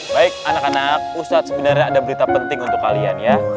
baik anak anak ustadz sebenarnya ada berita penting untuk kalian ya